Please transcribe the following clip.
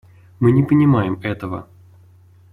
Мы не понимаем этого.